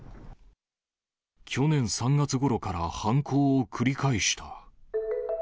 去年３月ごろから犯行を繰り